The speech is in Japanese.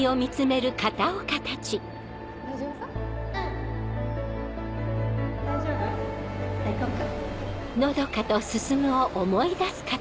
大丈夫？